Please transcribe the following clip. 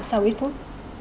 sau ít phút